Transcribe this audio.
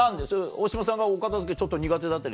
大島さんがお片付けちょっと苦手だったりすんの？